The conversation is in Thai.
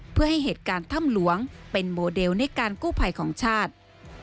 เพื่อให้เหตุการณ์ถ้ำหลวงเป็นโมเดลในการกู้ภัยของชาติ